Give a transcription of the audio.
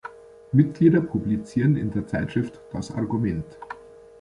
Mitglieder publizierten in der Zeitschrift Das Argument.